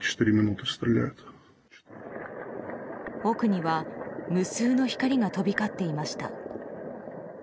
奥には無数の光が飛び交っていました。